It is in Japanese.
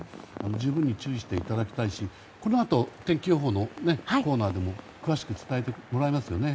十分に注意していただきたいしこのあと天気予報のコーナーでも詳しく伝えてもらえますよね。